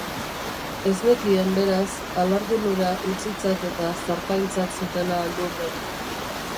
Ez nekien, beraz, alargun hura utzitzat eta zarpailtzat zutela Louvren.